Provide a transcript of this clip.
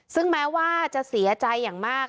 ซึ่งแม้ว่าจะเสียใจอย่างมาก